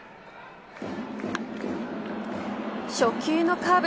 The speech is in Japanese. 初球のカーブ